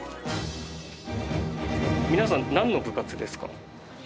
皆さんなんの部活ですか？